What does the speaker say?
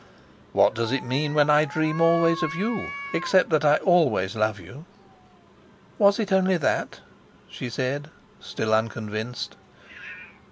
"What does it mean when I dream always of you, except that I always love you?" "Was it only that?" she said, still unconvinced.